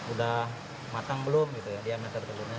udah matang belum gitu ya diameter telurnya